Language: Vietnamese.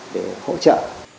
để hỗ trợ